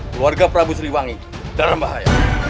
keluarga prabu siliwangi dalam bahaya